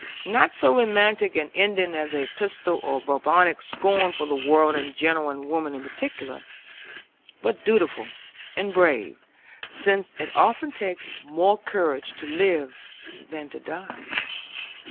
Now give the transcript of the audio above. Not so romantic an ending as a pistol or Byronic scorn for the world in general and women in particular, but dutiful and brave, since it often takes more courage to live than to die."